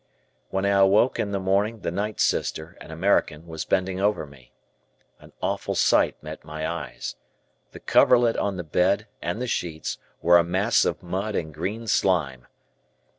When I awoke in the morning the night sister, an American, was bending over me. An awful sight met my eyes. The coverlet on the bed and the sheets were a mass of mud and green slime.